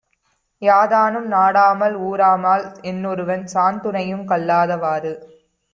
யாதானும் நாடாமால் ஊராமால் என்னொருவன் சாந்துணையுங் கல்லாதவாறு.